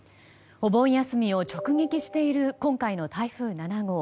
お盆休みを直撃している今回の台風７号。